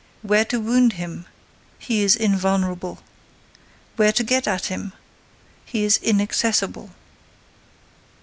Where to wound him? He is invulnerable. Where to get at him? He is inaccessible.